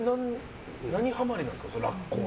何ハマりなんですか、ラッコは。